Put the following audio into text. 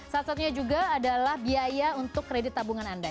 salah satunya juga adalah biaya untuk kredit tabungan anda